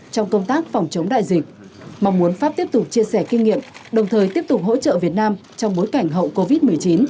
trong công tác phòng chống đại dịch mong muốn pháp tiếp tục chia sẻ kinh nghiệm đồng thời tiếp tục hỗ trợ việt nam trong bối cảnh hậu covid một mươi chín